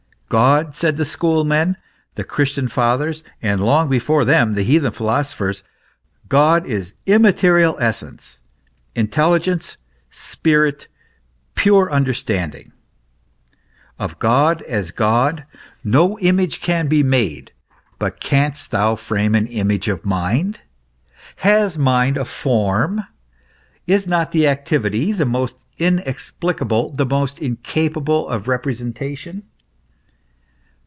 God, said the schoolmen, the Christian fathers, and long before them the heathen philosophers, God is immaterial essence, intelligence, spirit, pure understanding. Of God as God, no image can be made ; but canst thou frame an image of mind ? Has mind a form ? Is not its activity the most inexplicable, the most incapable of representation